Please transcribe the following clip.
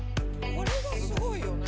これがスゴいよね。